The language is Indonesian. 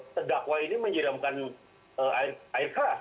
pedakwa ini menyeramkan air keras